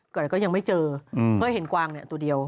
แต่ก็ยังไม่เจอเพื่อเห็นกวางตัวเดียว